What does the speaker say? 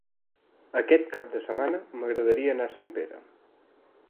Aquest cap de setmana m'agradaria anar a Sempere.